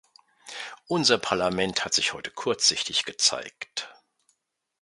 Unser Parlament hat sich heute kurzsichtig gezeigt.